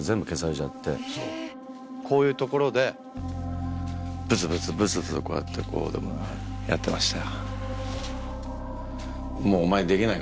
こういう所でブツブツブツブツこうやってこうでもないやってました。